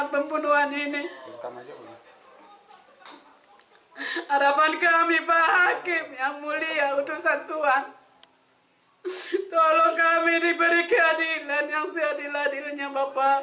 bagi diberikan inan yang seandainya dihanyam